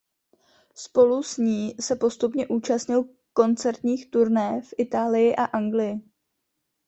Spolu s ní se postupně účastnil koncertních turné v Itálii a Anglii.